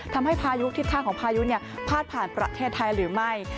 ทำให้พายุทิศทางของพายุเนี่ยพาดผ่านประเทศไทยหรือไม่